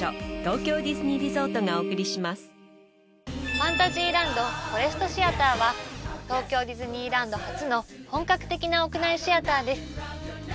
ファンタジーランドフォレストシアターは東京ディズニーランド初の本格的な屋内シアターです。